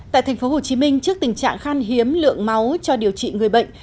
tại thành phố hồ chí minh trước tình trạng khăn hiếm lượng máu cho điều trị người bệnh